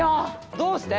どうして？